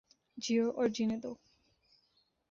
جیو اور جینے دو